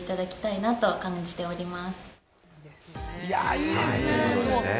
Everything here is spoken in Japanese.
いいですね。